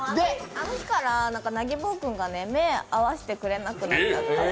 あの日からなぎぼぉ君が目を合わせてくれなくなって。